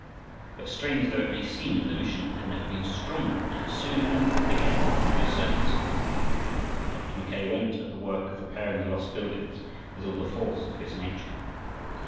But strange though it may seem, the mission had never been stronger, and it soon began to assert itself. Dr. Mackay went at the work of repairing the lost buildings with all the force of his nature.